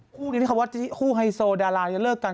คู่นี้ที่เขาว่าคู่ไฮโซดาราจะเลิกกัน